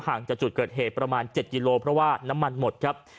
จากจุดเกิดเหตุประมาณ๗กิโลเพราะว่าน้ำมันหมดครับ